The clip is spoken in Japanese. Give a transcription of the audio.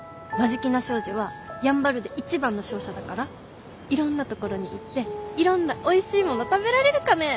眞境名商事はやんばるで一番の商社だからいろんな所に行っていろんなおいしいもの食べられるかね。